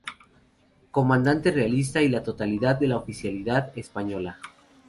Comandante realista y la totalidad de la oficialidad española.